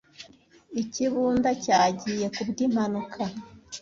Ikibunda cyagiye ku bw'impanuka.